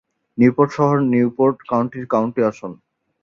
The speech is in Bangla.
নিউপোর্ট শহর নিউপোর্ট কাউন্টির কাউন্টি আসন।